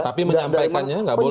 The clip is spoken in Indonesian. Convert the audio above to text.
tapi menyampaikannya tidak boleh